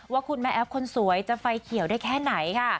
ว่าคุณแม่แอฟคนสวยจะไฟเขียวได้แค่ไหนค่ะ